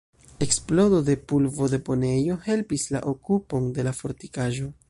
Eksplodo de pulvo-deponejo helpis la okupon de la fortikaĵo.